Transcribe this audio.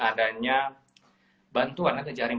adanya bantuan dan jaringan